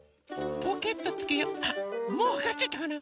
もうわかっちゃったかな？